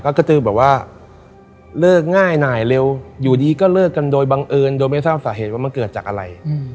ก็คือแบบว่าเลิกง่ายหน่ายเร็วอยู่ดีก็เลิกกันโดยบังเอิญโดยไม่ทราบสาเหตุว่ามันเกิดจากอะไร